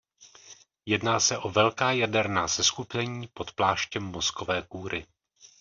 Jedná se o velká jaderná seskupení pod pláštěm mozkové kůry.